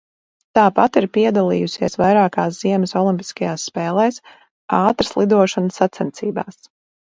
Tāpat ir piedalījusies vairākās ziemas olimpiskajās spēlēs ātrslidošanas sacensībās.